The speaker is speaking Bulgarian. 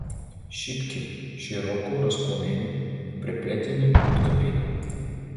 Шипки, широко разклонени, преплетени от къпини.